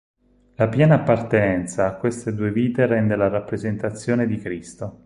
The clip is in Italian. La piena appartenenza a queste due vite rende la rappresentazione di Cristo.